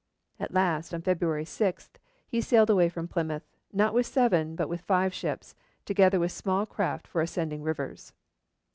At last, on February 6 he sailed away from Plymouth, not with seven, but with five ships, together with small craft for ascending rivers.